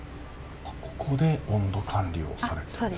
ここで温度管理をされていると。